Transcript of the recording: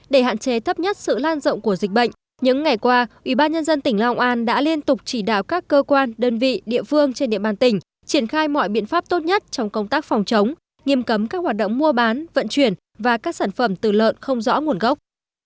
để hạn chế thấp nhất sự lan rộng của dịch bệnh những ngày qua ubnd tỉnh long an đã liên tục chỉ đạo các cơ quan đơn vị địa phương trên địa bàn tỉnh triển khai mọi biện pháp tốt nhất trong công tác phòng chống nghiêm cấm các hoạt động mua bán vận chuyển và các sản phẩm từ lợn không rõ nguồn gốc